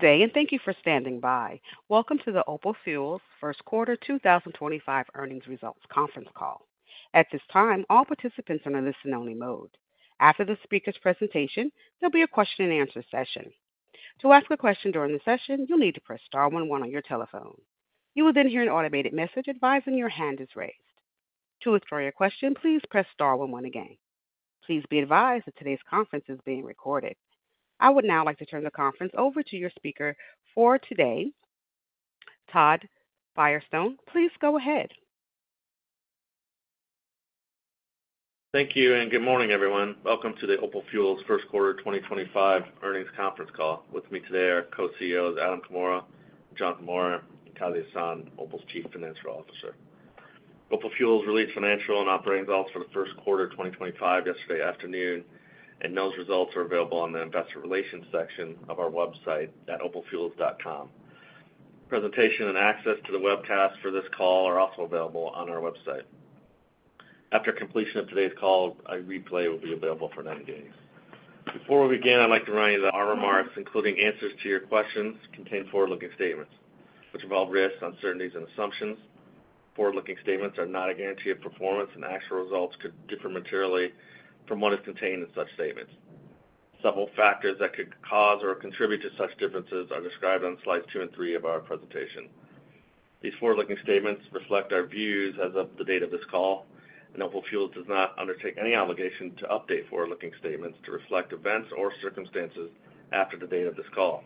Good day, and thank you for standing by. Welcome to the OPAL Fuels First Quarter 2025 Earnings Results Conference Call. At this time, all participants are in a listen-only mode. After the speaker's presentation, there'll be a question-and-answer session. To ask a question during the session, you'll need to press star one one on your telephone. You will then hear an automated message advising your hand is raised. To ask for your question, please press star one one again. Please be advised that today's conference is being recorded. I would now like to turn the conference over to your speaker for today, Todd Firestone. Please go ahead. Thank you, and good morning, everyone. Welcome to the OPAL Fuels First Quarter 2025 Earnings Conference Call. With me today are Co-CEOs Adam Comora, Jonathan Maurer, and Kazi Hasan, Opal's Chief Financial Officer. OPAL Fuels released financial and operating results for the first quarter of 2025 yesterday afternoon, and those results are available on the investor relations section of our website at opalfuels.com. Presentation and access to the webcast for this call are also available on our website. After completion of today's call, a replay will be available for 90 days. Before we begin, I'd like to remind you that our remarks, including answers to your questions, contain forward-looking statements which involve risks, uncertainties, and assumptions. Forward-looking statements are not a guarantee of performance, and actual results could differ materially from what is contained in such statements. Several factors that could cause or contribute to such differences are described on slides two and three of our presentation. These forward-looking statements reflect our views as of the date of this call, and OPAL Fuels does not undertake any obligation to update forward-looking statements to reflect events or circumstances after the date of this call.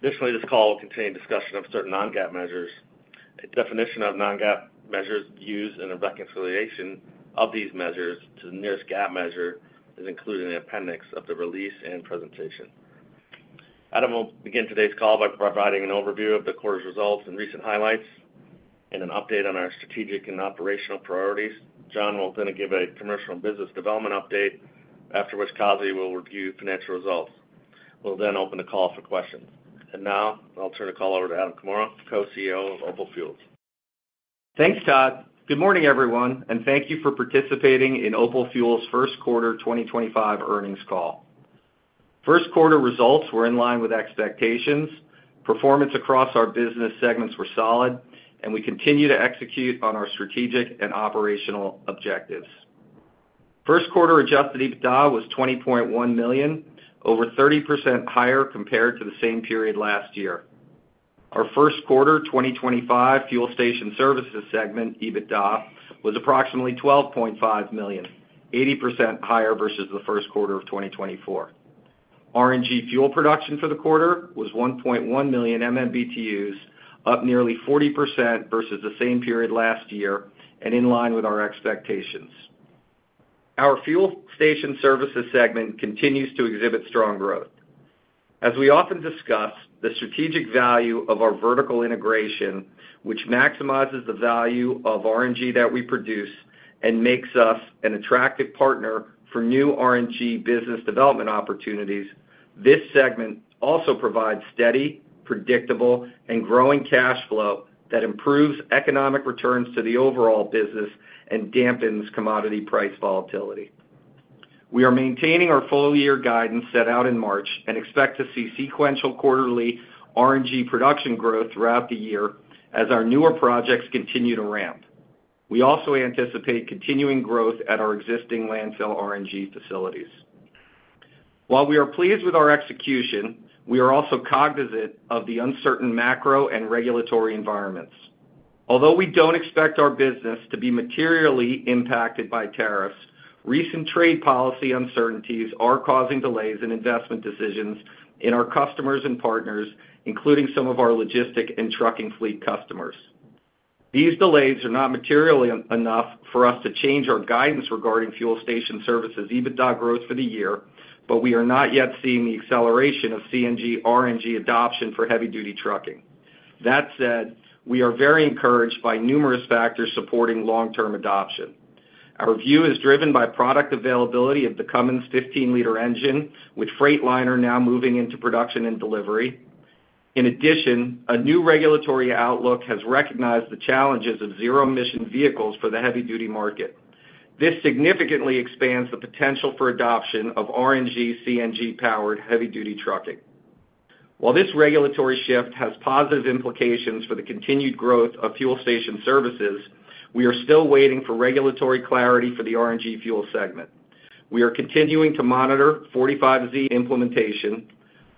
Additionally, this call will contain discussion of certain non-GAAP measures. A definition of non-GAAP measures used in the reconciliation of these measures to the nearest GAAP measure is included in the appendix of the release and presentation. Adam will begin today's call by providing an overview of the quarter's results and recent highlights and an update on our strategic and operational priorities. Jon will then give a commercial and business development update, after which Kazi will review financial results. We'll then open the call for questions. I will now turn the call over to Adam Comora, Co-CEO of Opal Fuels. Thanks, Todd. Good morning, everyone, and thank you for participating in OPAL Fuels First Quarter 2025 Earnings Call. First quarter results were in line with expectations. Performance across our business segments was solid, and we continue to execute on our strategic and operational objectives. First quarter adjusted EBITDA was $20.1 million, over 30% higher compared to the same period last year. Our first quarter 2025 fuel station services segment EBITDA was approximately $12.5 million, 80% higher versus the first quarter of 2024. RNG fuel production for the quarter was 1.1 million MMBTU, up nearly 40% versus the same period last year, and in line with our expectations. Our fuel station services segment continues to exhibit strong growth. As we often discuss, the strategic value of our vertical integration, which maximizes the value of RNG that we produce and makes us an attractive partner for new RNG business development opportunities, this segment also provides steady, predictable, and growing cash flow that improves economic returns to the overall business and dampens commodity price volatility. We are maintaining our full-year guidance set out in March and expect to see sequential quarterly RNG production growth throughout the year as our newer projects continue to ramp. We also anticipate continuing growth at our existing landfill RNG facilities. While we are pleased with our execution, we are also cognizant of the uncertain macro and regulatory environments. Although we don't expect our business to be materially impacted by tariffs, recent trade policy uncertainties are causing delays in investment decisions in our customers and partners, including some of our logistic and trucking fleet customers. These delays are not material enough for us to change our guidance regarding fuel station services EBITDA growth for the year, but we are not yet seeing the acceleration of CNG RNG adoption for heavy-duty trucking. That said, we are very encouraged by numerous factors supporting long-term adoption. Our view is driven by product availability of the Cummins 15-liter engine, with Freightliner now moving into production and delivery. In addition, a new regulatory outlook has recognized the challenges of zero-emission vehicles for the heavy-duty market. This significantly expands the potential for adoption of RNG CNG-powered heavy-duty trucking. While this regulatory shift has positive implications for the continued growth of fuel station services, we are still waiting for regulatory clarity for the RNG fuel segment. We are continuing to monitor 45Z implementation,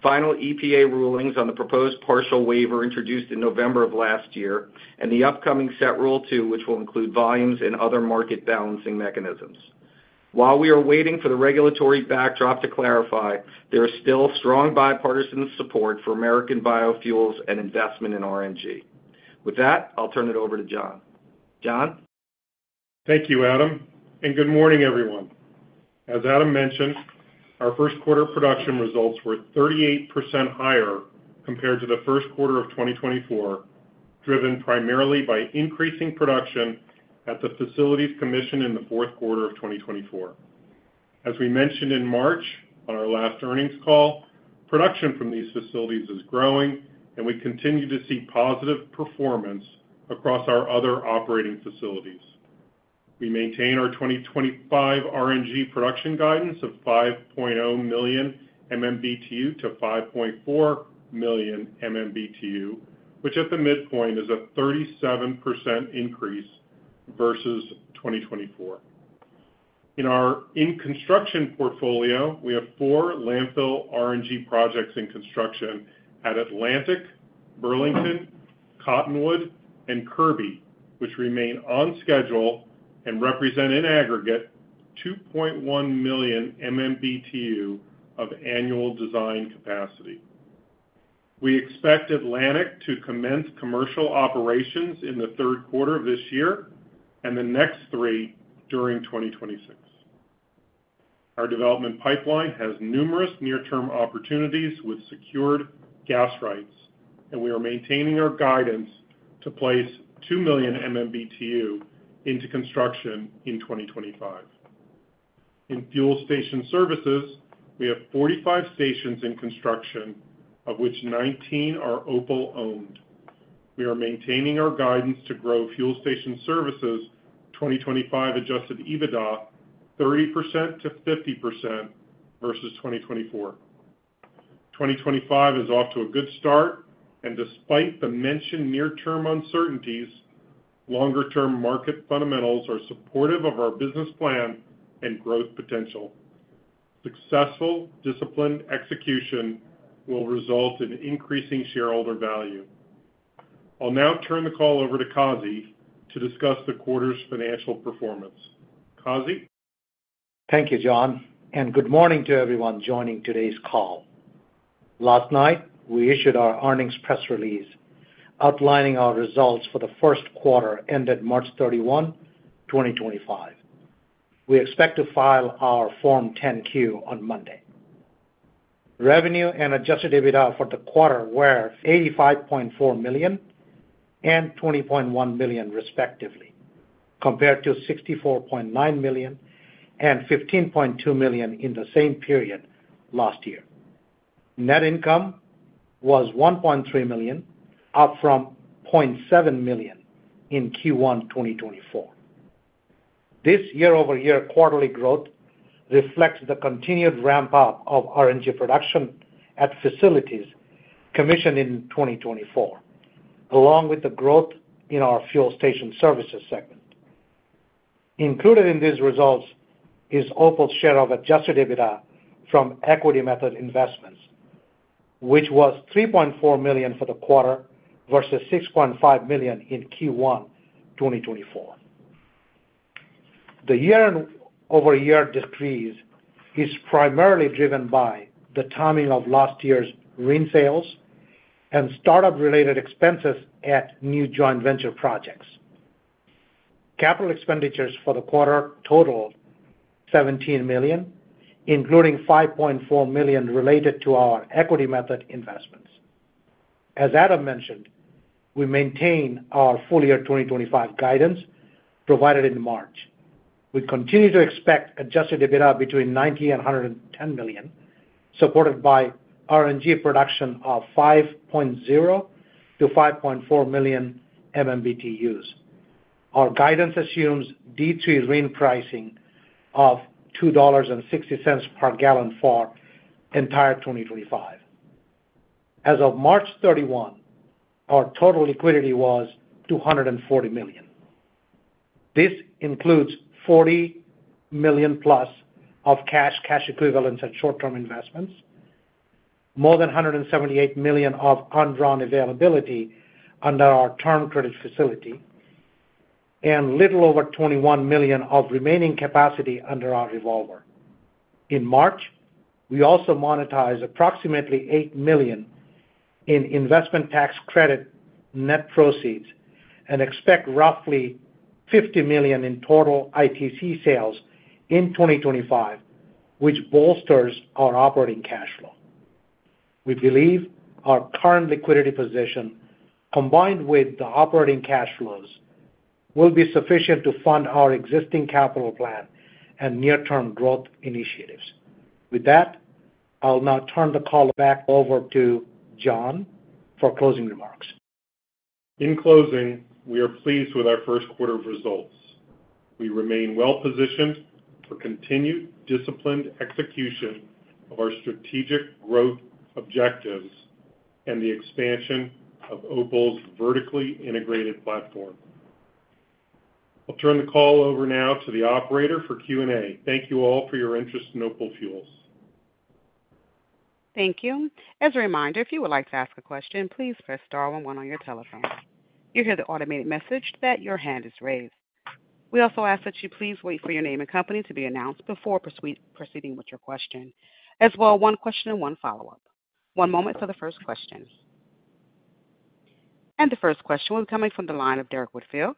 final EPA rulings on the proposed partial waiver introduced in November of last year, and the upcoming Set Rule two, which will include volumes and other market balancing mechanisms. While we are waiting for the regulatory backdrop to clarify, there is still strong bipartisan support for American biofuels and investment in RNG. With that, I'll turn it over to Jon. Jon. Thank you, Adam, and good morning, everyone. As Adam mentioned, our first quarter production results were 38% higher compared to the first quarter of 2024, driven primarily by increasing production at the facilities commissioned in the fourth quarter of 2024. As we mentioned in March on our last earnings call, production from these facilities is growing, and we continue to see positive performance across our other operating facilities. We maintain our 2025 RNG production guidance of 5.0 million MMBTU-5.4 million MMBTU, which at the midpoint is a 37% increase versus 2024. In our in-construction portfolio, we have four landfill RNG projects in construction at Atlantic, Burlington, Cottonwood, and Kirby, which remain on schedule and represent in aggregate 2.1 million MMBTU of annual design capacity. We expect Atlantic to commence commercial operations in the third quarter of this year and the next three during 2026. Our development pipeline has numerous near-term opportunities with secured gas rights, and we are maintaining our guidance to place 2 million MMBTU into construction in 2025. In fuel station services, we have 45 stations in construction, of which 19 are OPAL-owned. We are maintaining our guidance to grow fuel station services 2025 adjusted EBITDA 30%-50% versus 2024. 2025 is off to a good start, and despite the mentioned near-term uncertainties, longer-term market fundamentals are supportive of our business plan and growth potential. Successful, disciplined execution will result in increasing shareholder value. I'll now turn the call over to Kazi to discuss the quarter's financial performance. Kazi? Thank you, Jon, and good morning to everyone joining today's call. Last night, we issued our earnings press release outlining our results for the first quarter ended March 31, 2025. We expect to file our Form 10Q on Monday. Revenue and adjusted EBITDA for the quarter were $85.4 million and $20.1 million, respectively, compared to $64.9 million and $15.2 million in the same period last year. Net income was $1.3 million, up from $0.7 million in Q1 2024. This year-over-year quarterly growth reflects the continued ramp-up of RNG production at facilities commissioned in 2024, along with the growth in our fuel station services segment. Included in these results is Opal's share of adjusted EBITDA from Equity Method Investments, which was $3.4 million for the quarter versus $6.5 million in Q1 2024. The year-over-year decrease is primarily driven by the timing of last year's wind sales and startup-related expenses at new joint venture projects. Capital expenditures for the quarter totaled $17 million, including $5.4 million related to our Equity Method Investments. As Adam mentioned, we maintain our full-year 2025 guidance provided in March. We continue to expect adjusted EBITDA between $90 million and $110 million, supported by RNG production of 5.0-5.4 million MMBTUs. Our guidance assumes D3 RIN pricing of $2.60 per gallon for the entire 2025. As of March 31, our total liquidity was $240 million. This includes $40 million plus of cash, cash equivalents, and short-term investments, more than $178 million of undrawn availability under our term credit facility, and a little over $21 million of remaining capacity under our revolver. In March, we also monetized approximately $8 million in investment tax credit net proceeds and expect roughly $50 million in total ITC sales in 2025, which bolsters our operating cash flow. We believe our current liquidity position, combined with the operating cash flows, will be sufficient to fund our existing capital plan and near-term growth initiatives. With that, I'll now turn the call back over to Jon for closing remarks. In closing, we are pleased with our first quarter results. We remain well-positioned for continued disciplined execution of our strategic growth objectives and the expansion of OPAL's vertically integrated platform. I'll turn the call over now to the operator for Q&A. Thank you all for your interest in OPAL Fuels. Thank you. As a reminder, if you would like to ask a question, please press star one one on your telephone. You hear the automated message that your hand is raised. We also ask that you please wait for your name and company to be announced before proceeding with your question. As well, one question and one follow-up. One moment for the 1st question. The 1st question will be coming from the line of Derrick Whitfield of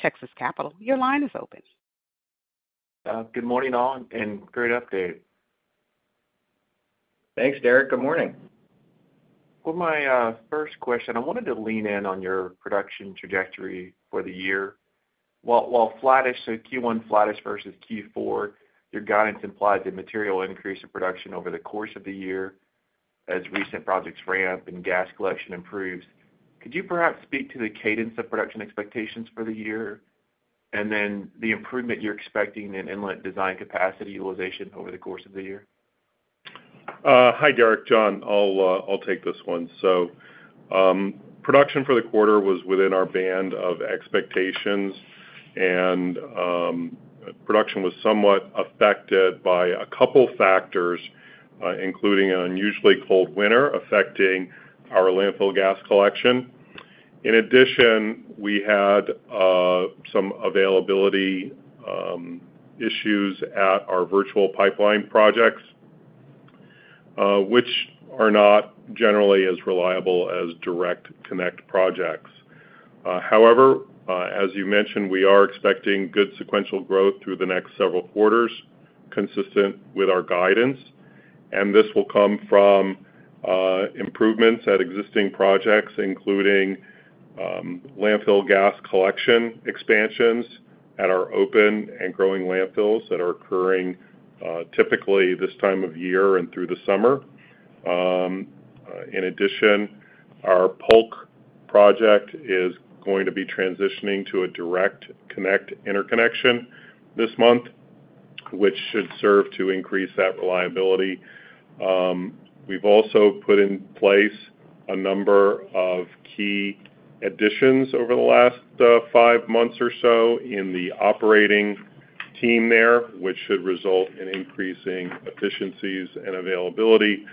Texas Capital. Your line is open. Good morning, all, and great update. Thanks, Derek. Good morning. For my 1st question, I wanted to lean in on your production trajectory for the year. While flattest Q1 versus Q4, your guidance implies a material increase in production over the course of the year as recent projects ramp and gas collection improves. Could you perhaps speak to the cadence of production expectations for the year and then the improvement you're expecting in inlet design capacity utilization over the course of the year? Hi, Derek. Jon, I'll take this one. Production for the quarter was within our band of expectations, and production was somewhat affected by a couple of factors, including an unusually cold winter affecting our landfill gas collection. In addition, we had some availability issues at our virtual pipeline projects, which are not generally as reliable as direct connect projects. However, as you mentioned, we are expecting good sequential growth through the next several quarters consistent with our guidance, and this will come from improvements at existing projects, including landfill gas collection expansions at our open and growing landfills that are occurring typically this time of year and through the summer. In addition, our Polk project is going to be transitioning to a direct connect interconnection this month, which should serve to increase that reliability. have also put in place a number of key additions over the last five months or so in the operating team there, which should result in increasing efficiencies and availability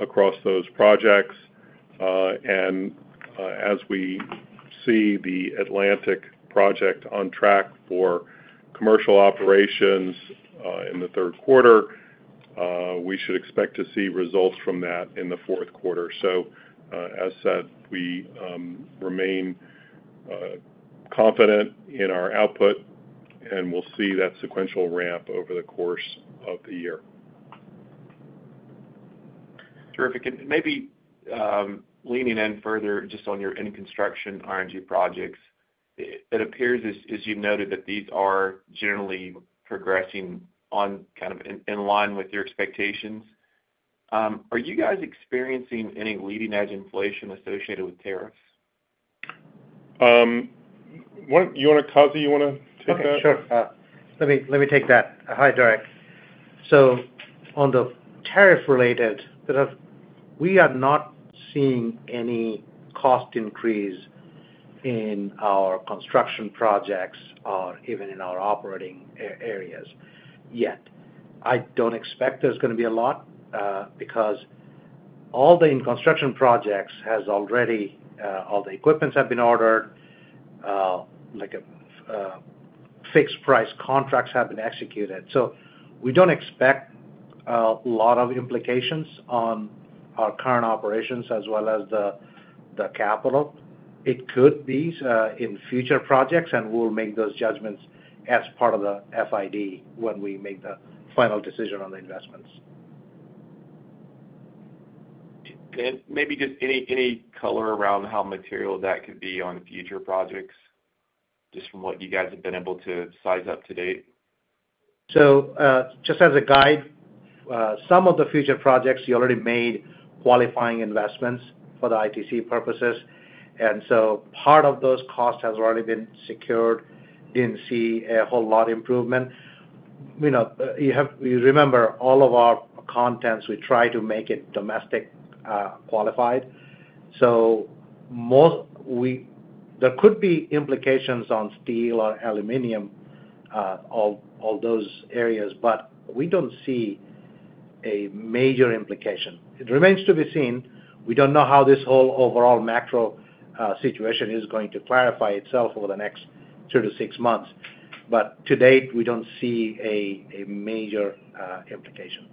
across those projects. As we see the Atlantic project on track for commercial operations in the third quarter, we should expect to see results from that in the fourth quarter. As said, we remain confident in our output, and we will see that sequential ramp over the course of the year. Terrific. Maybe leaning in further just on your in-construction RNG projects, it appears, as you noted, that these are generally progressing kind of in line with your expectations. Are you guys experiencing any leading-edge inflation associated with tariffs? You want to, Kazi? You want to take that? Sure. Let me take that. Hi, Derek. On the tariff-related, we are not seeing any cost increase in our construction projects or even in our operating areas yet. I do not expect there is going to be a lot because all the in-construction projects have already—all the equipment has been ordered, like fixed-price contracts have been executed. We do not expect a lot of implications on our current operations as well as the capital. It could be in future projects, and we will make those judgments as part of the FID when we make the final decision on the investments. Maybe just any color around how material that could be on future projects, just from what you guys have been able to size up to date? Just as a guide, some of the future projects, you already made qualifying investments for the ITC purposes. Part of those costs has already been secured in seeing a whole lot of improvement. You remember all of our contents, we try to make it domestic qualified. There could be implications on steel or aluminum, all those areas, but we do not see a major implication. It remains to be seen. We do not know how this whole overall macro situation is going to clarify itself over the next two to six months. To date, we do not see a major implication.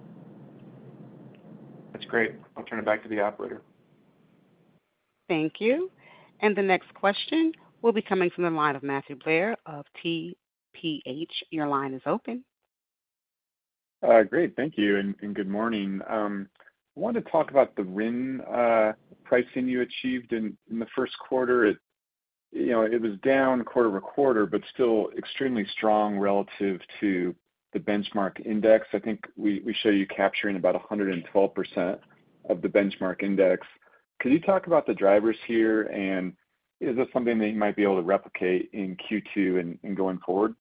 That's great. I'll turn it back to the operator. Thank you. The next question will be coming from the line of Matthew Blair of TPH. Your line is open. Great. Thank you. Good morning. I wanted to talk about the wind pricing you achieved in the first quarter. It was down quarter to quarter, but still extremely strong relative to the benchmark index. I think we showed you capturing about 112% of the benchmark index. Could you talk about the drivers here, and is this something that you might be able to replicate in Q2 and going forward?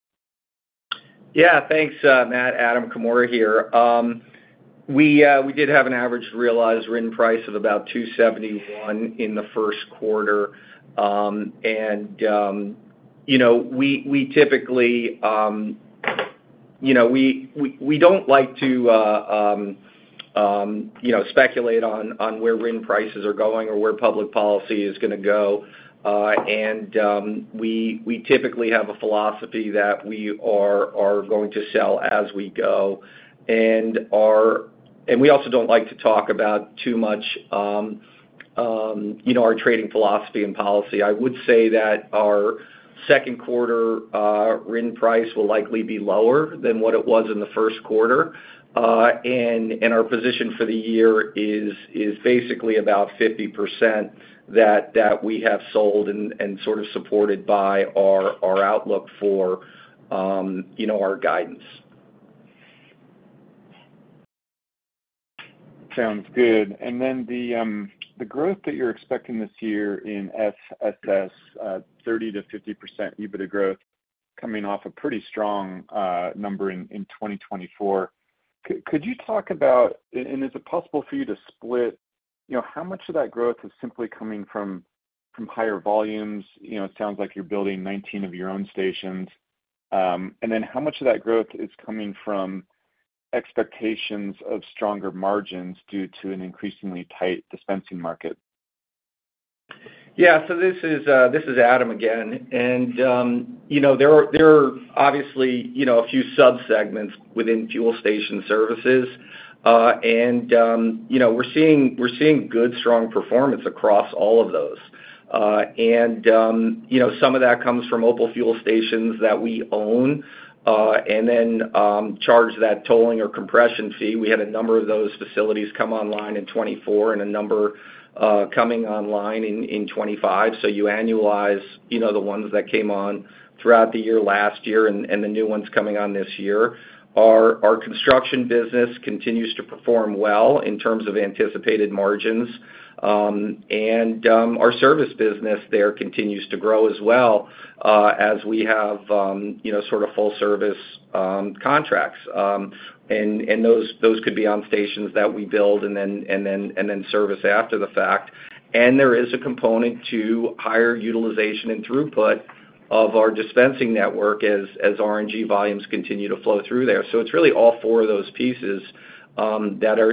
Yeah. Thanks, Matt, Adam Comora here. We did have an average realized wind price of about $271 in the first quarter. We typically do not like to speculate on where wind prices are going or where public policy is going to go. We typically have a philosophy that we are going to sell as we go. We also do not like to talk too much about our trading philosophy and policy. I would say that our second quarter wind price will likely be lower than what it was in the first quarter. Our position for the year is basically about 50% that we have sold and sort of supported by our outlook for our guidance. Sounds good. Then the growth that you're expecting this year in SSS, 30%-50% EBITDA growth coming off a pretty strong number in 2024. Could you talk about—and is it possible for you to split how much of that growth is simply coming from higher volumes? It sounds like you're building 19 of your own stations. Then how much of that growth is coming from expectations of stronger margins due to an increasingly tight dispensing market? Yeah. This is Adam again. There are obviously a few subsegments within fuel station services. We are seeing good, strong performance across all of those. Some of that comes from OPAL Fuels stations that we own and then charge that tolling or compression fee. We had a number of those facilities come online in 2024, and a number coming online in 2025. You annualize the ones that came on throughout the year last year, and the new ones coming on this year. Our construction business continues to perform well in terms of anticipated margins. Our service business there continues to grow as well as we have sort of full-service contracts. Those could be on stations that we build and then service after the fact. There is a component to higher utilization and throughput of our dispensing network as RNG volumes continue to flow through there. It is really all four of those pieces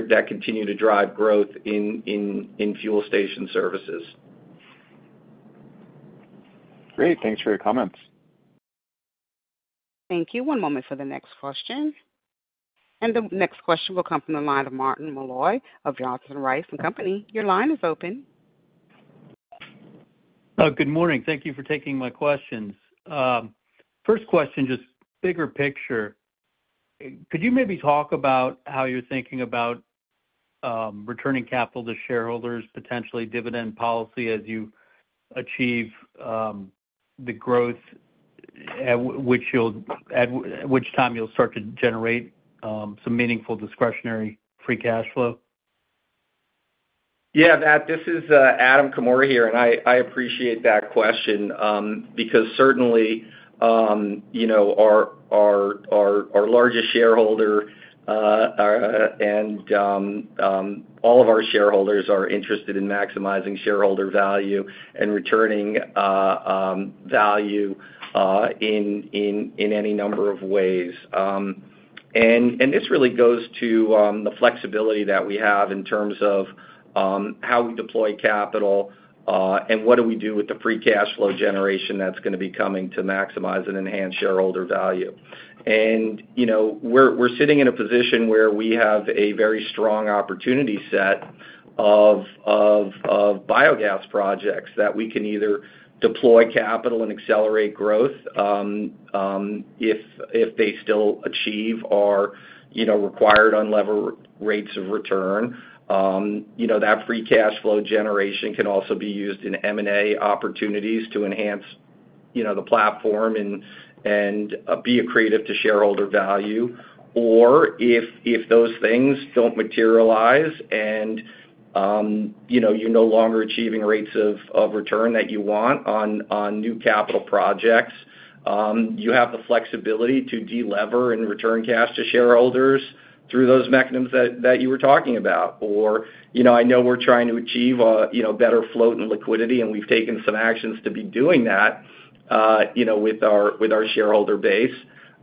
that continue to drive growth in fuel station services. Great. Thanks for your comments. Thank you. One moment for the next question. The next question will come from the line of Martin Malloy of Johnson Rice & Company. Your line is open. Good morning. Thank you for taking my questions. 1st question, just bigger picture. Could you maybe talk about how you're thinking about returning capital to shareholders, potentially dividend policy as you achieve the growth at which time you'll start to generate some meaningful discretionary free cash flow? Yeah, Matt, this is Adam Comora here. I appreciate that question because certainly our largest shareholder, and all of our shareholders are interested in maximizing shareholder value and returning value in any number of ways. This really goes to the flexibility that we have in terms of how we deploy capital and what do we do with the free cash flow generation that's going to be coming to maximize and enhance shareholder value. We're sitting in a position where we have a very strong opportunity set of biogas projects that we can either deploy capital and accelerate growth if they still achieve our required unlevered rates of return. That free cash flow generation can also be used in M&A opportunities to enhance the platform and be accretive to shareholder value. If those things do not materialize and you are no longer achieving rates of return that you want on new capital projects, you have the flexibility to delever and return cash to shareholders through those mechanisms that you were talking about. I know we are trying to achieve better float and liquidity, and we have taken some actions to be doing that with our shareholder base.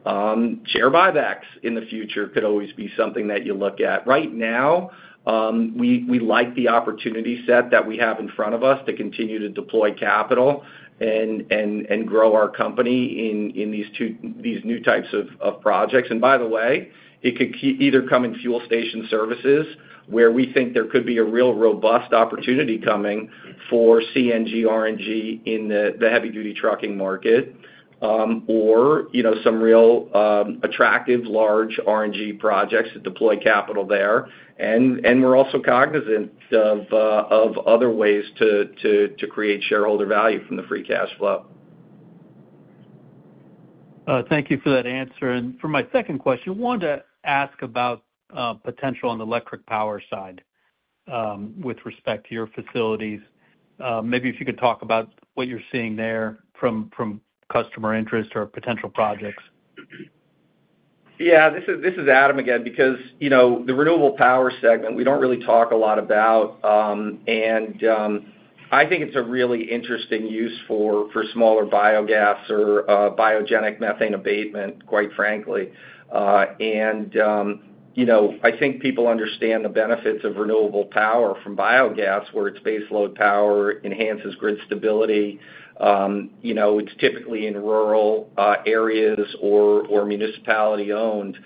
Share buybacks in the future could always be something that you look at. Right now, we like the opportunity set that we have in front of us to continue to deploy capital and grow our company in these new types of projects. By the way, it could either come in fuel station services where we think there could be a real robust opportunity coming for CNG and RNG in the heavy-duty trucking market, or some real attractive large RNG projects to deploy capital there. We are also cognizant of other ways to create shareholder value from the free cash flow. Thank you for that answer. For my 2nd question, I wanted to ask about potential on the electric power side with respect to your facilities. Maybe if you could talk about what you're seeing there from customer interest or potential projects. Yeah. This is Adam again because the renewable power segment, we do not really talk a lot about. I think it is a really interesting use for smaller biogas or biogenic methane abatement, quite frankly. I think people understand the benefits of renewable power from biogas where it is baseload power, enhances grid stability. It is typically in rural areas or municipality-owned.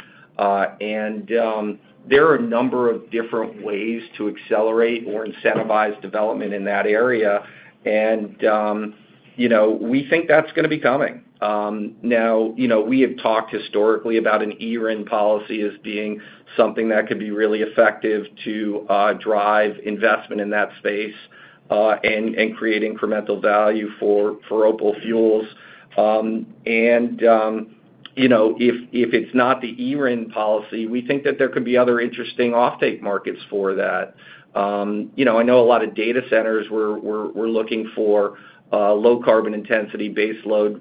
There are a number of different ways to accelerate or incentivize development in that area. We think that is going to be coming. We have talked historically about an E-RIN policy as being something that could be really effective to drive investment in that space and create incremental value for OPAL Fuels. If it is not the E-RIN policy, we think that there could be other interesting offtake markets for that. I know a lot of data centers were looking for low carbon intensity baseload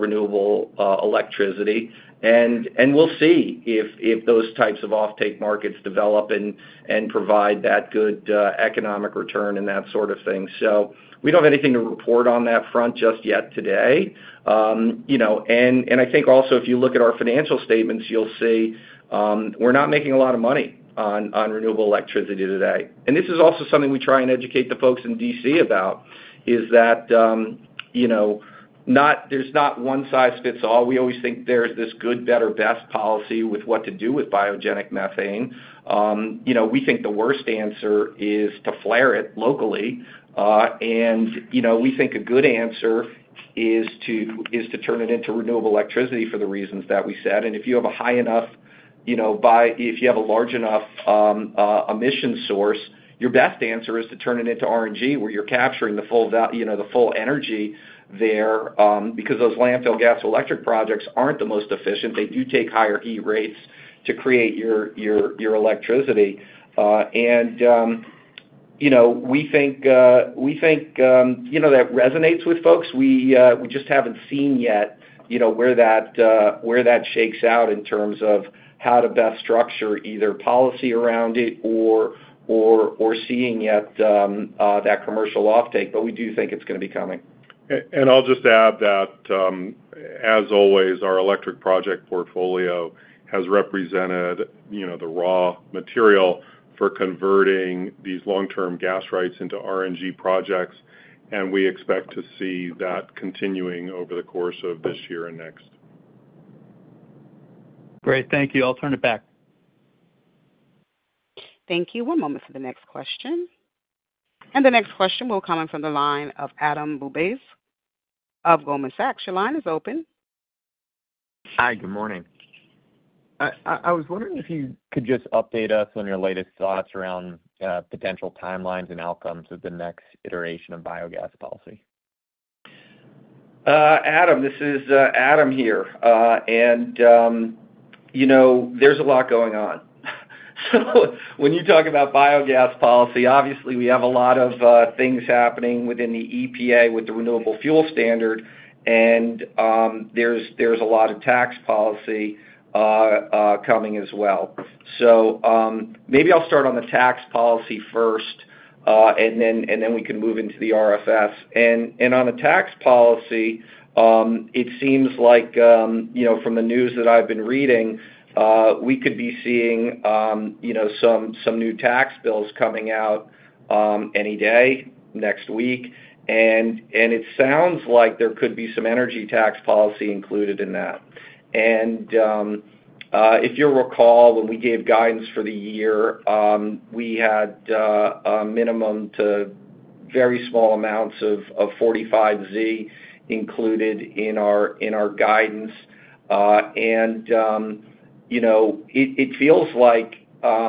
renewable electricity. We will see if those types of offtake markets develop and provide that good economic return and that sort of thing. We do not have anything to report on that front just yet today. I think also, if you look at our financial statements, you will see we are not making a lot of money on renewable electricity today. This is also something we try and educate the folks in D.C. about, that there is not one size fits all. We always think there is this good, better, best policy with what to do with biogenic methane. We think the worst answer is to flare it locally. We think a good answer is to turn it into renewable electricity for the reasons that we said. If you have a high enough—if you have a large enough emission source, your best answer is to turn it into RNG where you're capturing the full energy there because those landfill gas electric projects aren't the most efficient. They do take higher heat rates to create your electricity. We think that resonates with folks. We just haven't seen yet where that shakes out in terms of how to best structure either policy around it or seeing yet that commercial offtake. We do think it's going to be coming. I'll just add that, as always, our electric project portfolio has represented the raw material for converting these long-term gas rights into RNG projects. We expect to see that continuing over the course of this year and next. Great. Thank you. I'll turn it back. Thank you. One moment for the next question. The next question will come in from the line of Adam Bubes of Goldman Sachs. Your line is open. Hi. Good morning. I was wondering if you could just update us on your latest thoughts around potential timelines and outcomes with the next iteration of biogas policy. Adam, this is Adam here. There's a lot going on. When you talk about biogas policy, obviously, we have a lot of things happening within the EPA with the renewable fuel standard. There's a lot of tax policy coming as well. Maybe I'll start on the tax policy 1st, and then we can move into the RFS. On the tax policy, it seems like from the news that I've been reading, we could be seeing some new tax bills coming out any day next week. It sounds like there could be some energy tax policy included in that. If you recall, when we gave guidance for the year, we had a minimum to very small amounts of 45Z included in our guidance. It feels like I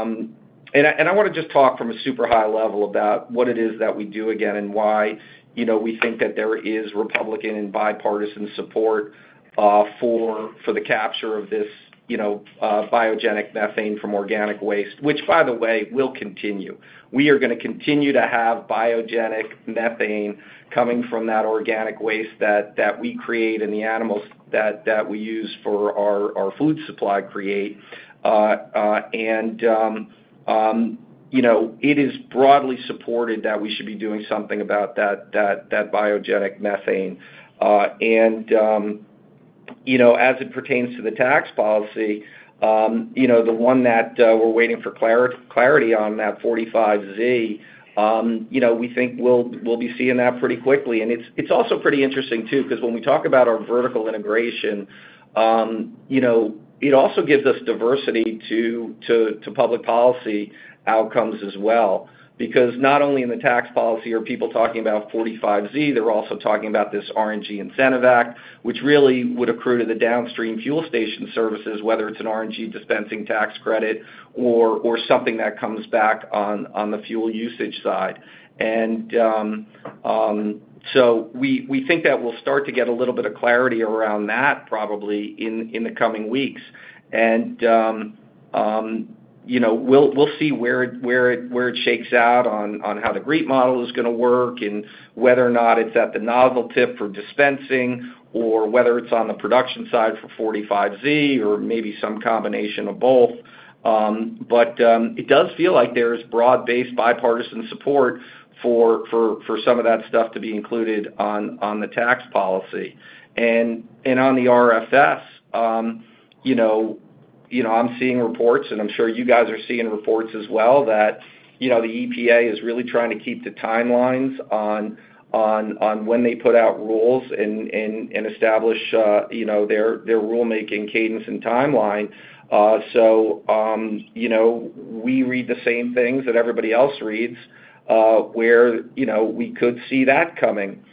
want to just talk from a super high level about what it is that we do again and why we think that there is Republican and bipartisan support for the capture of this biogenic methane from organic waste, which, by the way, will continue. We are going to continue to have biogenic methane coming from that organic waste that we create and the animals that we use for our food supply create. It is broadly supported that we should be doing something about that biogenic methane. As it pertains to the tax policy, the one that we're waiting for clarity on, that 45Z, we think we'll be seeing that pretty quickly. It is also pretty interesting too because when we talk about our vertical integration, it also gives us diversity to public policy outcomes as well. Because not only in the tax policy are people talking about 45Z, they're also talking about this RNG Incentive Act, which really would accrue to the downstream fuel station services, whether it's an RNG dispensing tax credit or something that comes back on the fuel usage side. We think that we'll start to get a little bit of clarity around that probably in the coming weeks. We'll see where it shakes out on how the great model is going to work and whether or not it's at the novel tip for dispensing or whether it's on the production side for 45Z or maybe some combination of both. It does feel like there is broad-based bipartisan support for some of that stuff to be included on the tax policy and on the RFS. I'm seeing reports, and I'm sure you guys are seeing reports as well, that the EPA is really trying to keep the timelines on when they put out rules and establish their rulemaking cadence and timeline. We read the same things that everybody else reads where we could see that coming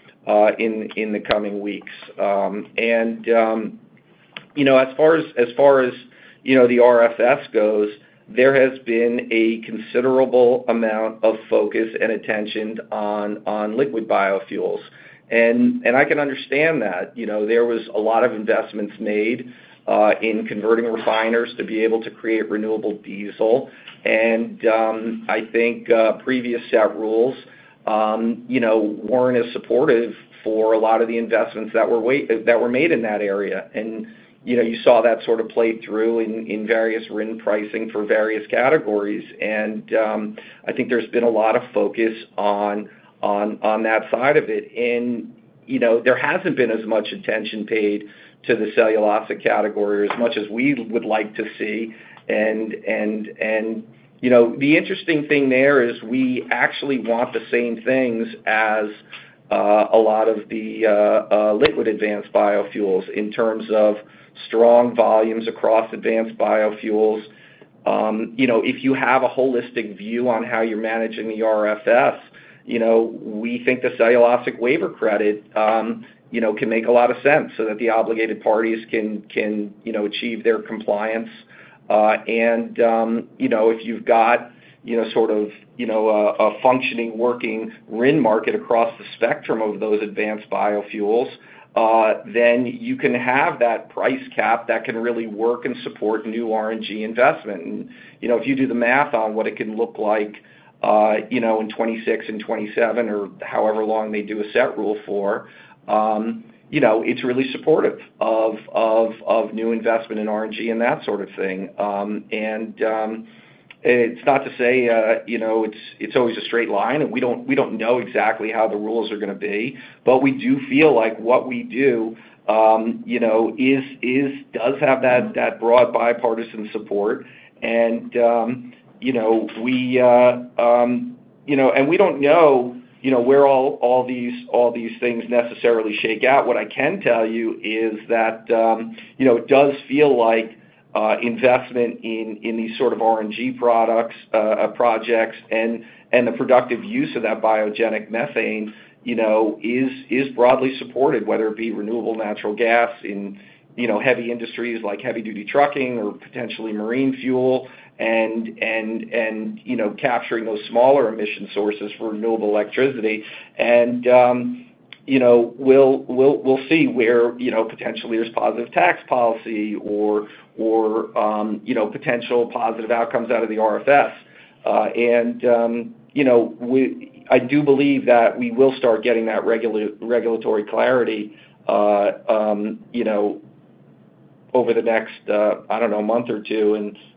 in the coming weeks. As far as the RFS goes, there has been a considerable amount of focus and attention on liquid biofuels. I can understand that. There was a lot of investments made in converting refiners to be able to create renewable diesel. I think previous set rules weren't as supportive for a lot of the investments that were made in that area. You saw that sort of played through in various RIN pricing for various categories. I think there's been a lot of focus on that side of it. There has not been as much attention paid to the cellulosic category as much as we would like to see. The interesting thing there is we actually want the same things as a lot of the liquid advanced biofuels in terms of strong volumes across advanced biofuels. If you have a holistic view on how you are managing the RFS, we think the cellulosic waiver credit can make a lot of sense so that the obligated parties can achieve their compliance. If you have sort of a functioning, working RIN market across the spectrum of those advanced biofuels, you can have that price cap that can really work and support new RNG investment. If you do the math on what it can look like in 2026 and 2027 or however long they do a set rule for, it is really supportive of new investment in RNG and that sort of thing. It is not to say it is always a straight line. We do not know exactly how the rules are going to be. We do feel like what we do does have that broad bipartisan support. We do not know where all these things necessarily shake out. What I can tell you is that it does feel like investment in these sort of RNG products, projects, and the productive use of that biogenic methane is broadly supported, whether it be renewable natural gas in heavy industries like heavy-duty trucking or potentially marine fuel and capturing those smaller emission sources for renewable electricity. We will see where potentially there is positive tax policy or potential positive outcomes out of the RFS. I do believe that we will start getting that regulatory clarity over the next, I do not know, month or two.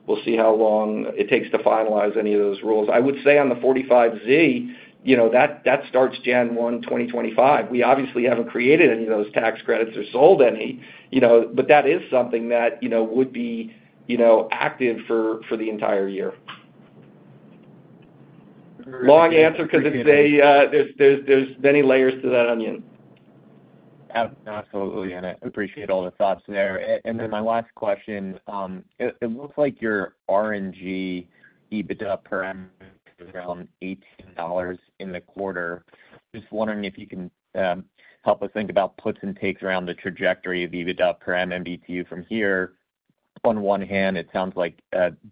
We will see how long it takes to finalize any of those rules. I would say on the 45Z, that starts January 1, 2025. We obviously have not created any of those tax credits or sold any. That is something that would be active for the entire year. Long answer because there are many layers to that onion. Absolutely. I appreciate all the thoughts there. My last question, it looks like your RNG EBITDA per MMBTU is around $18 in the quarter. Just wondering if you can help us think about puts and takes around the trajectory of EBITDA per MMBTU from here. On one hand, it sounds like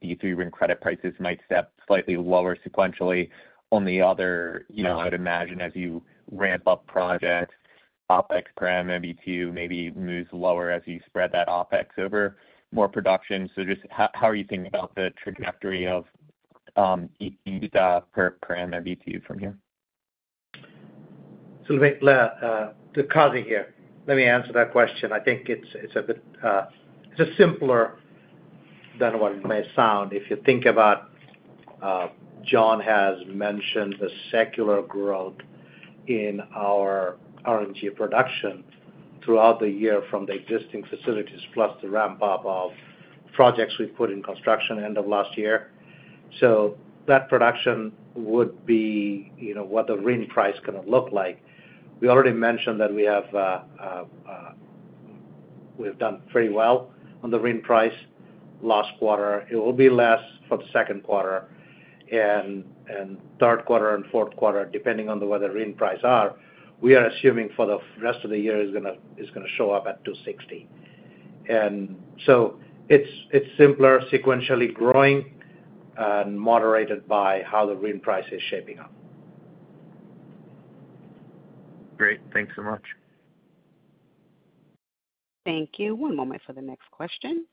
these D3 RIN credit prices might step slightly lower sequentially. On the other, I would imagine as you ramp up projects, OpEx per MMBTU maybe moves lower as you spread that OpEx over more production. Just how are you thinking about the trajectory of EBITDA per MMBTU from here? To caveat here, let me answer that question. I think it's simpler than what it may sound. If you think about Jon has mentioned the secular growth in our RNG production throughout the year from the existing facilities plus the ramp-up of projects we've put in construction end of last year. That production would be what the RIN price is going to look like. We already mentioned that we have done pretty well on the RIN price last quarter. It will be less for the second quarter and third quarter and fourth quarter, depending on what the RIN prices are. We are assuming for the rest of the year it's going to show up at $2.60. It's simpler, sequentially growing, and moderated by how the RIN price is shaping up. Great. Thanks so much. Thank you. One moment for the next question.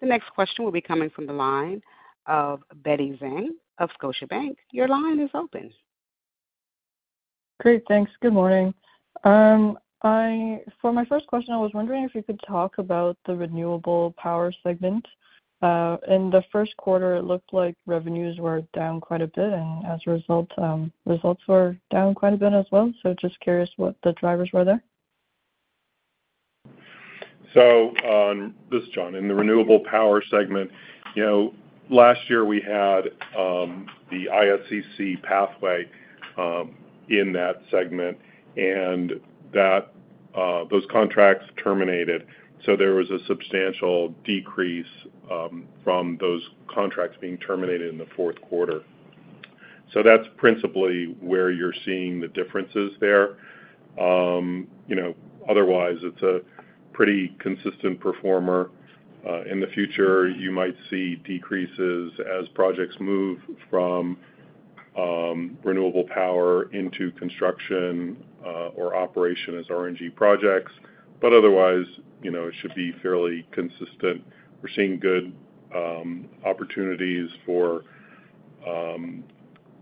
The next question will be coming from the line of Betty Zhang of Scotiabank. Your line is open. Great. Thanks. Good morning. For my 1st question, I was wondering if you could talk about the renewable power segment. In the first quarter, it looked like revenues were down quite a bit. As a result, results were down quite a bit as well. Just curious what the drivers were there. This is Jon. In the renewable power segment, last year we had the ISCC pathway in that segment, and those contracts terminated. There was a substantial decrease from those contracts being terminated in the fourth quarter. That is principally where you are seeing the differences there. Otherwise, it is a pretty consistent performer. In the future, you might see decreases as projects move from renewable power into construction or operation as RNG projects. Otherwise, it should be fairly consistent. We are seeing good opportunities for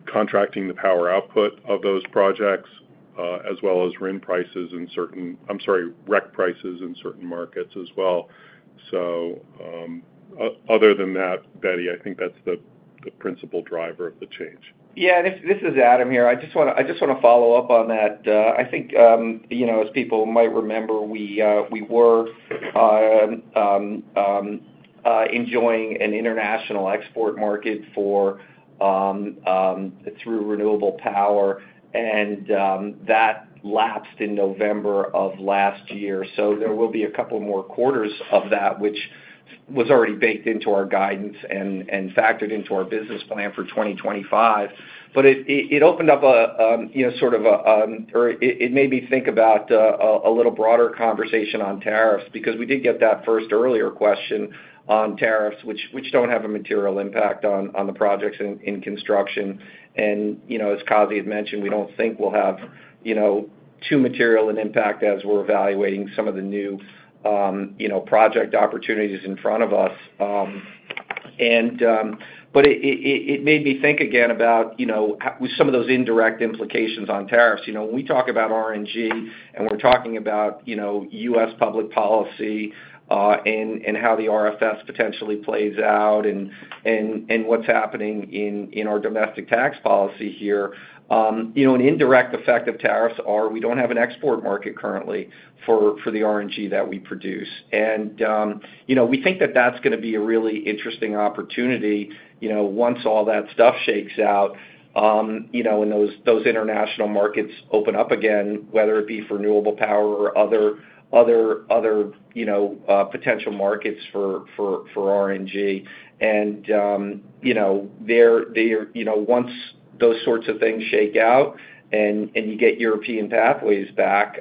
contracting the power output of those projects as well as RIN prices in certain—I am sorry, REC prices in certain markets as well. Other than that, Betty, I think that is the principal driver of the change. Yeah. This is Adam here. I just want to follow up on that. I think as people might remember, we were enjoying an international export market through renewable power. That lapsed in November of last year. There will be a couple more quarters of that, which was already baked into our guidance and factored into our business plan for 2025. It opened up a sort of—or it made me think about a little broader conversation on tariffs because we did get that 1st earlier question on tariffs, which do not have a material impact on the projects in construction. As Kazi had mentioned, we do not think they will have too material an impact as we are evaluating some of the new project opportunities in front of us. It made me think again about some of those indirect implications on tariffs. When we talk about RNG and we're talking about U.S. public policy and how the RFS potentially plays out and what's happening in our domestic tax policy here, an indirect effect of tariffs is we don't have an export market currently for the RNG that we produce. We think that that's going to be a really interesting opportunity once all that stuff shakes out and those international markets open up again, whether it be for renewable power or other potential markets for RNG. Once those sorts of things shake out and you get European pathways back,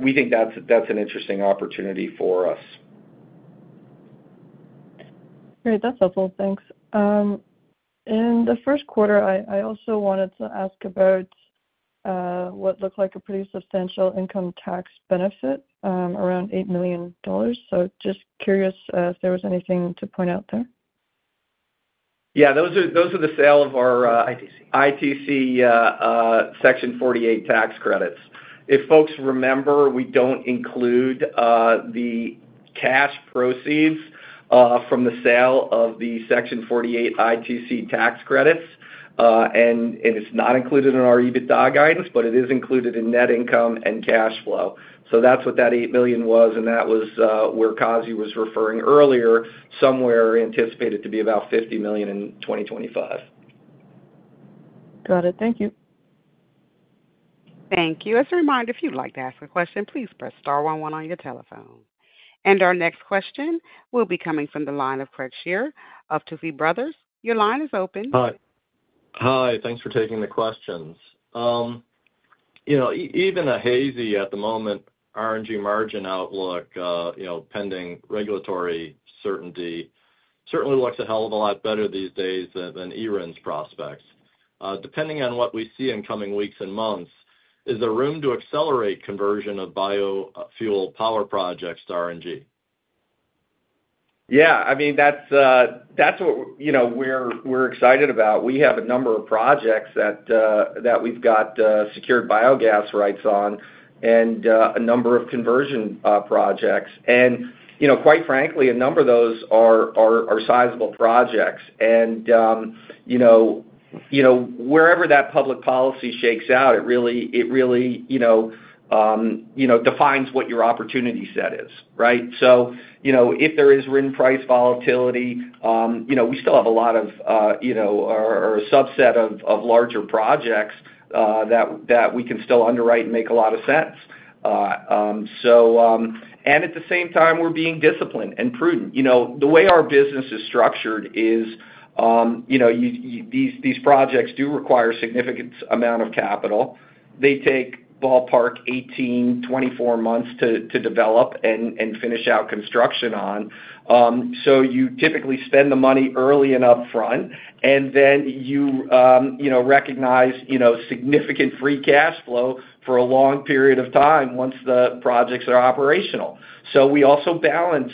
we think that's an interesting opportunity for us. Great. That's helpful. Thanks. In the first quarter, I also wanted to ask about what looked like a pretty substantial income tax benefit around $8 million. Just curious if there was anything to point out there. Yeah. Those are the sale of our ITC Section 48 tax credits. If folks remember, we don't include the cash proceeds from the sale of the Section 48 ITC tax credits. It's not included in our EBITDA guidance, but it is included in net income and cash flow. That's what that $8 million was. That was where Kazi was referring earlier, somewhere anticipated to be about $50 million in 2025. Got it. Thank you. Thank you. As a reminder, if you'd like to ask a question, please press star one one on your telephone. Our next question will be coming from the line of Matthew Blair of TPH. Your line is open. Hi. Thanks for taking the questions. Even a hazy at the moment, RNG margin outlook pending regulatory certainty certainly looks a hell of a lot better these days than E-RIN's prospects. Depending on what we see in coming weeks and months, is there room to accelerate conversion of biofuel power projects to RNG? Yeah. I mean, that's what we're excited about. We have a number of projects that we've got secured biogas rights on and a number of conversion projects. And quite frankly, a number of those are sizable projects. Wherever that public policy shakes out, it really defines what your opportunity set is, right? If there is RIN price volatility, we still have a lot of or a subset of larger projects that we can still underwrite and make a lot of sense. At the same time, we're being disciplined and prudent. The way our business is structured is these projects do require a significant amount of capital. They take ballpark 18-24 months to develop and finish out construction on. You typically spend the money early and upfront. Then you recognize significant free cash flow for a long period of time once the projects are operational. We also balance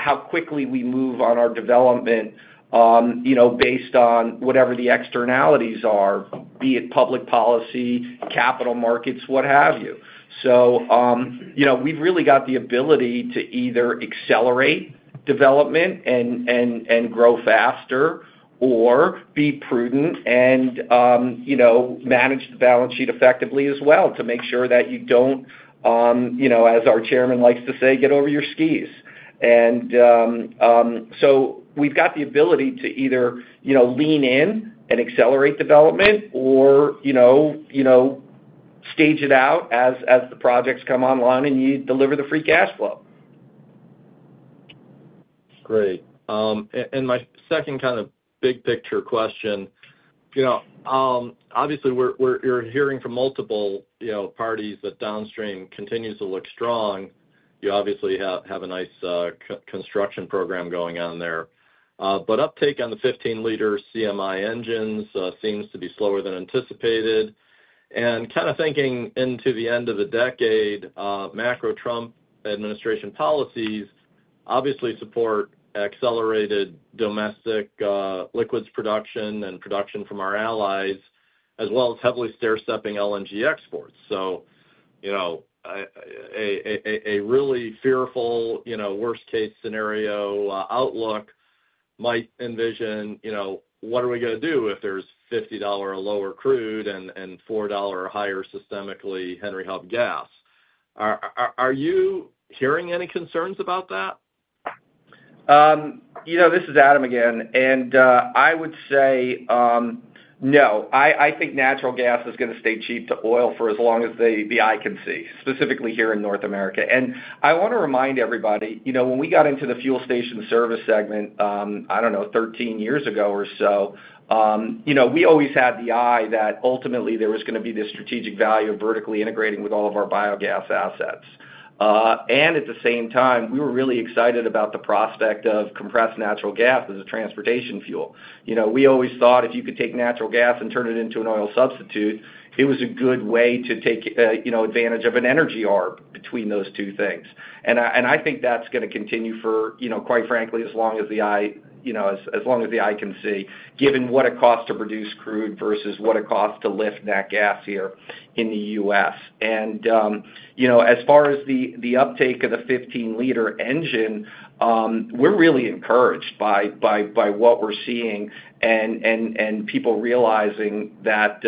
how quickly we move on our development based on whatever the externalities are, be it public policy, capital markets, what have you. We have really got the ability to either accelerate development and grow faster or be prudent and manage the balance sheet effectively as well to make sure that you do not, as our chairman likes to say, get over your skis. We have got the ability to either lean in and accelerate development or stage it out as the projects come online and you deliver the free cash flow. Great. My 2nd kind of big picture question, obviously, you're hearing from multiple parties that downstream continues to look strong. You obviously have a nice construction program going on there. Uptake on the 15-liter CMI engines seems to be slower than anticipated. Kind of thinking into the end of the decade, Macro Trump administration policies obviously support accelerated domestic liquids production and production from our allies, as well as heavily stair-stepping LNG exports. A really fearful worst-case scenario outlook might envision, what are we going to do if there's $50 a lower crude and $4 a higher systemically Henry Hub gas? Are you hearing any concerns about that? This is Adam again. I would say no. I think natural gas is going to stay cheap to oil for as long as the eye can see, specifically here in North America. I want to remind everybody, when we got into the fuel station service segment, I do not know, 13 years ago or so, we always had the eye that ultimately there was going to be this strategic value of vertically integrating with all of our biogas assets. At the same time, we were really excited about the prospect of compressed natural gas as a transportation fuel. We always thought if you could take natural gas and turn it into an oil substitute, it was a good way to take advantage of an energy arc between those two things. I think that's going to continue for, quite frankly, as long as the eye can see, given what it costs to produce crude versus what it costs to lift that gas here in the U.S. As far as the uptake of the 15-liter engine, we're really encouraged by what we're seeing and people realizing that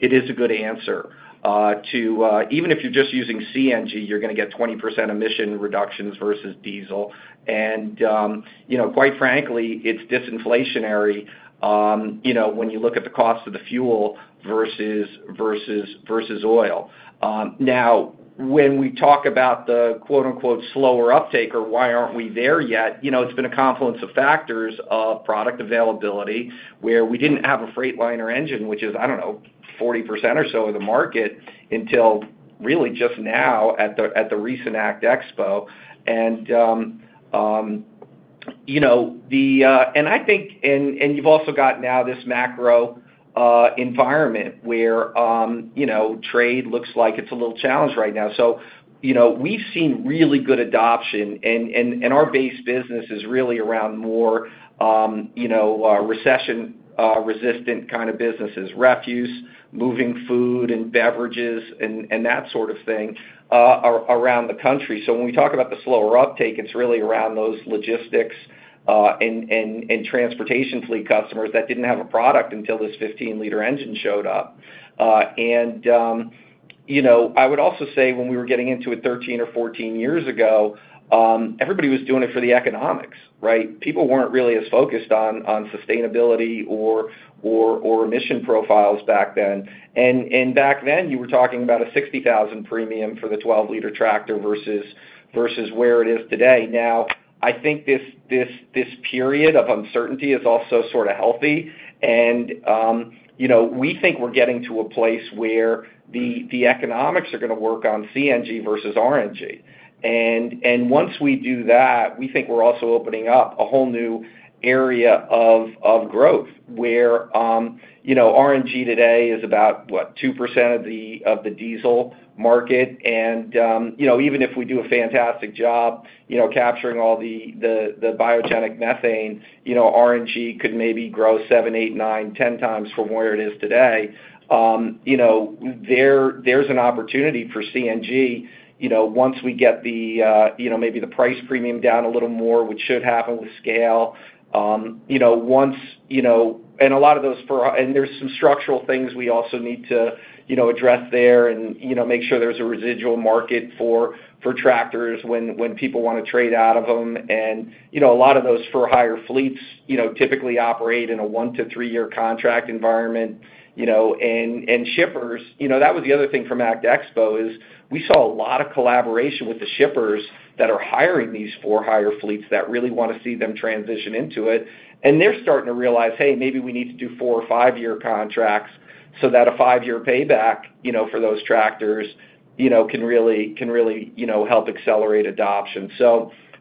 it is a good answer to even if you're just using CNG, you're going to get 20% emission reductions versus diesel. Quite frankly, it's disinflationary when you look at the cost of the fuel versus oil. Now, when we talk about the "slower uptake" or why aren't we there yet, it's been a confluence of factors of product availability where we didn't have a Freightliner engine, which is, I don't know, 40% or so of the market until really just now at the recent ACT Expo. I think, and you've also got now this macro environment where trade looks like it's a little challenged right now. We have seen really good adoption. Our base business is really around more recession-resistant kind of businesses, refuse, moving food and beverages, and that sort of thing around the country. When we talk about the slower uptake, it's really around those logistics and transportation fleet customers that did not have a product until this 15-liter engine showed up. I would also say when we were getting into it 13 or 14 years ago, everybody was doing it for the economics, right? People were not really as focused on sustainability or emission profiles back then. Back then, you were talking about a $60,000 premium for the 12-liter tractor versus where it is today. I think this period of uncertainty is also sort of healthy. We think we're getting to a place where the economics are going to work on CNG versus RNG. Once we do that, we think we're also opening up a whole new area of growth where RNG today is about, what, 2% of the diesel market. Even if we do a fantastic job capturing all the biogenic methane, RNG could maybe grow seven, eight, nine, 10 times from where it is today. There's an opportunity for CNG once we get maybe the price premium down a little more, which should happen with scale. There are some structural things we also need to address there and make sure there's a residual market for tractors when people want to trade out of them. A lot of those for-hire fleets typically operate in a one to three-year contract environment. Shippers, that was the other thing from ACT Expo. We saw a lot of collaboration with the shippers that are hiring these for-hire fleets that really want to see them transition into it. They are starting to realize, "Hey, maybe we need to do four or five-year contracts so that a five-year payback for those tractors can really help accelerate adoption."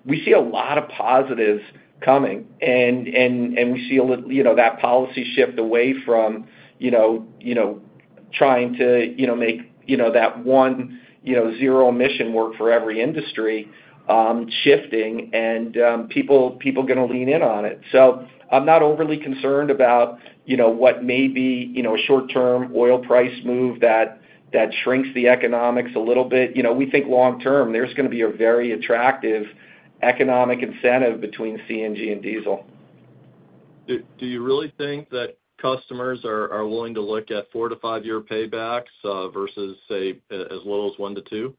We see a lot of positives coming. We see that policy shift away from trying to make that one zero emission work for every industry shifting. People are going to lean in on it. I am not overly concerned about what may be a short-term oil price move that shrinks the economics a little bit. We think long-term, there is going to be a very attractive economic incentive between CNG and diesel. Do you really think that customers are willing to look at four- to five-year paybacks versus, say, as little as one to two?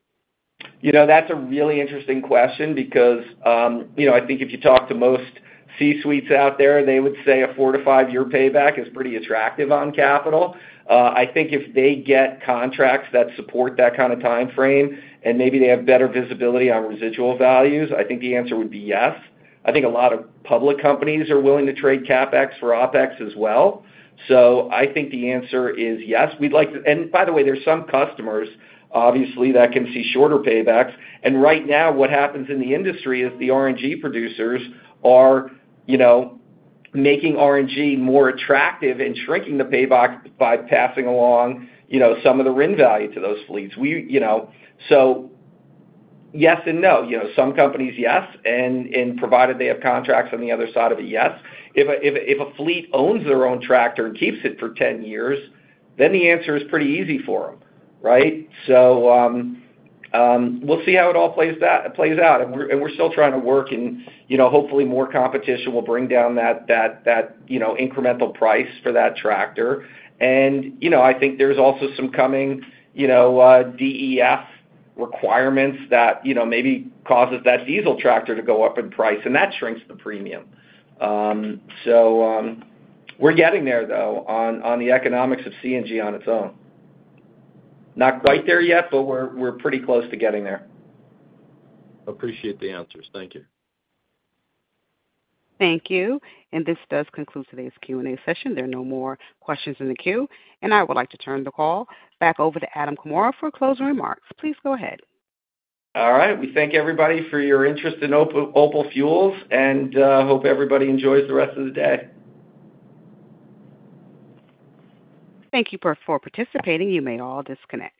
That's a really interesting question because I think if you talk to most C-suites out there, they would say a four- to five-year payback is pretty attractive on capital. I think if they get contracts that support that kind of timeframe and maybe they have better visibility on residual values, I think the answer would be yes. I think a lot of public companies are willing to trade CapEx for OpEx as well. I think the answer is yes. By the way, there are some customers, obviously, that can see shorter paybacks. Right now, what happens in the industry is the RNG producers are making RNG more attractive and shrinking the payback by passing along some of the RIN value to those fleets. Yes and no. Some companies, yes. Provided they have contracts on the other side of it, yes. If a fleet owns their own tractor and keeps it for 10 years, the answer is pretty easy for them, right? We will see how it all plays out. We are still trying to work. Hopefully, more competition will bring down that incremental price for that tractor. I think there are also some coming DEF requirements that maybe cause that diesel tractor to go up in price. That shrinks the premium. We are getting there, though, on the economics of CNG on its own. Not quite there yet, but we are pretty close to getting there. Appreciate the answers. Thank you. Thank you. This does conclude today's Q&A session. There are no more questions in the queue. I would like to turn the call back over to Adam Comora for closing remarks. Please go ahead. All right. We thank everybody for your interest in OPAL Fuels and hope everybody enjoys the rest of the day. Thank you for participating. You may all disconnect.